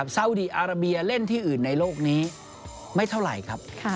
ซาอุดีอาราเบียเล่นที่อื่นในโลกนี้ไม่เท่าไหร่ครับ